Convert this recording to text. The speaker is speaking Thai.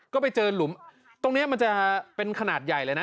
ก็ไปเจอหลุมตรงนี้มันจะเป็นขนาดใหญ่เลยนะ